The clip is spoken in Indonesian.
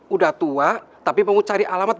udah tua tapi mau cari alamat